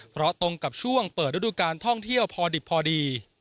เพราะตรงกับช่วงเปิดฤดูการท่องเที่ยวพอดิบพอดี